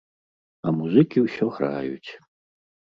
А музыкі ўсё граюць.